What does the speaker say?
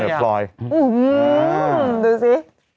อืมา่ดูซิ